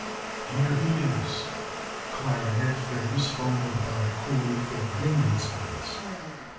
"Here he is (clarinet phrase followed by chord for wind instruments).